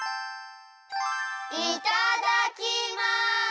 いただきます！